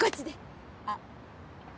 あっ。